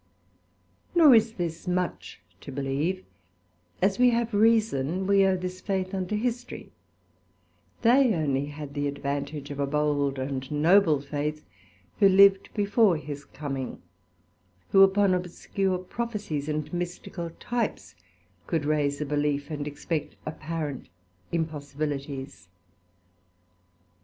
Nor is this much to believe; as we have reason, we owe this faith unto History: they only had the advantage of a bold and noble Faith, who lived before his coming, who upon obscure prophesies and mystical Types could raise a belief, and expect apparent impossibilities.